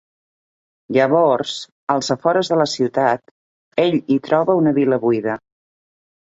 Llavors, als afores de la ciutat, ell hi troba una vil·la buida.